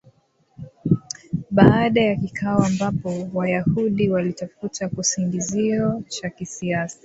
Baada ya kikao ambapo Wayahudi walitafuta kisingizio cha kisiasa